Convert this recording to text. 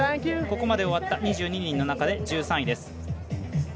ここまで終わった２２人の中で１３位です。